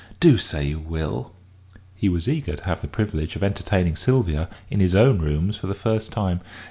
Do say you will." He was eager to have the privilege of entertaining Sylvia in his own rooms for the first time.